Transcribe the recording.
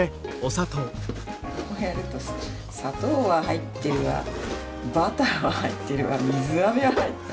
こうやるとさ砂糖は入ってるわバターは入ってるわ水あめは入って。